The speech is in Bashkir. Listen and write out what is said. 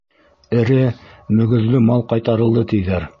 Эре мөгөҙлө мал ҡайтарылды, тиҙәр.